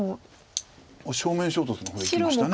正面衝突の方にいきました。